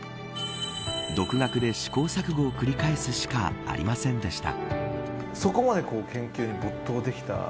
独学で試行錯誤を繰り返すしかありませんでした。